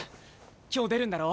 今日出るんだろ？